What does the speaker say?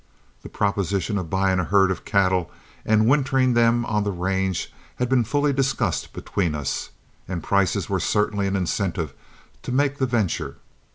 The proposition of buying a herd of cattle and wintering them on the range had been fully discussed between us, and prices were certainly an incentive to make the venture.